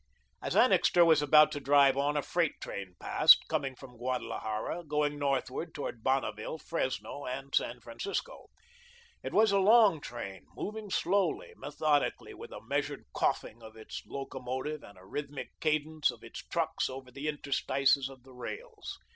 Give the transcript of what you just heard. As Annixter was about to drive on, a freight train passed, coming from Guadalajara, going northward toward Bonneville, Fresno and San Francisco. It was a long train, moving slowly, methodically, with a measured coughing of its locomotive and a rhythmic cadence of its trucks over the interstices of the rails.